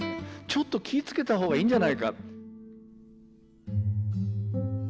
ちょっと気をつけた方がいいんじゃないか。